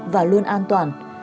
và luôn an toàn